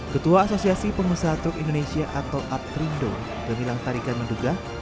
ketua asosiasi pengusaha truk indonesia atau apt rindo benilang tarikan menduga